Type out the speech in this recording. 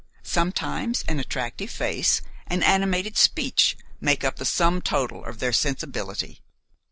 Sometimes an attractive face and animated speech make up the sum total of their sensibility.